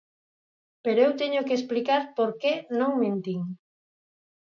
Pero eu teño que explicar por que non mentín.